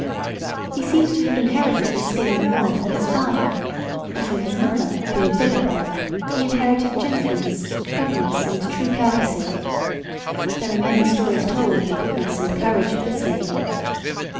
He seems to have inherited his skill in war from his father, and from his mother, Queen Philippa, he inherited gentleness, goodness, and true courtesy. There are many stories told of the goodness and courage of this lady.